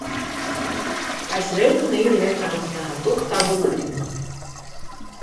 Կայսրերն ունեին իրենց առանձնահատուկ տաբուլարիումը։